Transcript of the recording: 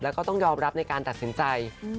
แล้วก็ต้องยอมรับในการตัดสินใจ